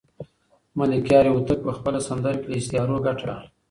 ملکیار هوتک په خپله سندره کې له استعارو ګټه اخلي.